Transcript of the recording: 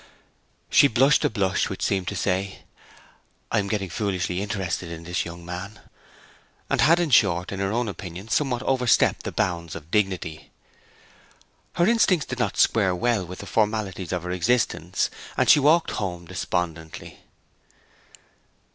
She blushed a blush which seemed to say, 'I am getting foolishly interested in this young man.' She had, in short, in her own opinion, somewhat overstepped the bounds of dignity. Her instincts did not square well with the formalities of her existence, and she walked home despondently.